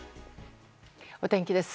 お天気です。